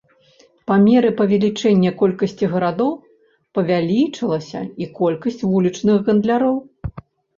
Па меры павелічэння колькасці гарадоў павялічылася і колькасць вулічных гандляроў.